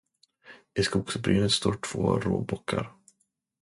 I skogsbrynet står två råbockar.